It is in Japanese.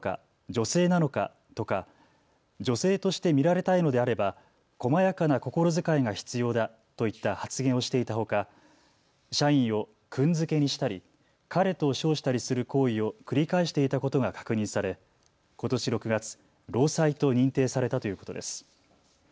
女性なのかとか、女性として見られたいのであれば細やかな心遣いが必要だといった発言をしていたほか社員を君付けにしたり彼と称したりする行為を繰り返していたことが確認されことし６月、労災と認定されたということです。